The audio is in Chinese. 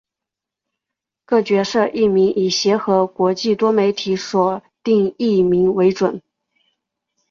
各角色译名以协和国际多媒体所定译名为准。